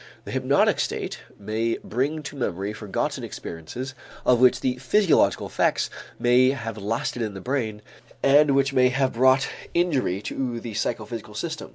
The hypnotic state may bring to memory forgotten experiences of which the physiological effects may have lasted in the brain and which may have brought injury to the psychophysical system.